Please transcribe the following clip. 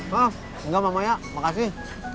hah enggak mama maya makasih